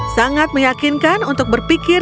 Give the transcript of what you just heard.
sangat meyakinkan untuk berpikir